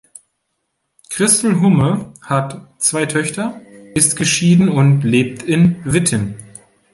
Christel Humme hat zwei Töchter, ist geschieden und lebt in Witten.